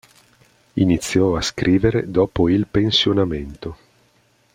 Iniziò a scrivere dopo il pensionamento.